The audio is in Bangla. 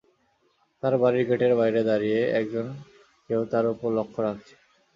তাঁর বাড়ির গেটের বাইরে দাঁড়িয়ে একজন কেউ তাঁর ওপর লক্ষ রাখছে।